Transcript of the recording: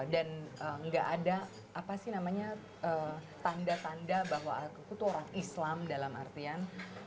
dan gak ada apa sih namanya tanda tanda bahwa aku tuh orang islam dalam artian